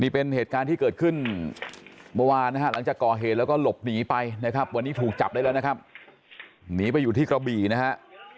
ไปนะครับวันนี้ถูกจับได้แล้วนะครับหนีไปอยู่ที่กระบี่นะครับ